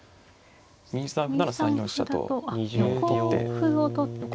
２三歩なら３四飛車と取って。